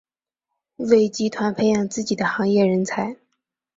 为集团培养自己的行业人才。